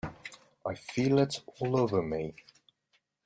I feel it all over me!